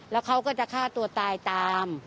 แล้วเขาก็จะฆ่าตัวตายตาม